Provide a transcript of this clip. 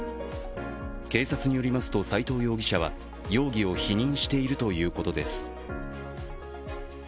警察によりますと斉藤容疑者は容疑を否認しているということです。